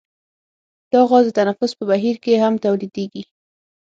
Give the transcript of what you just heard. دا غاز د تنفس په بهیر کې هم تولیدیږي.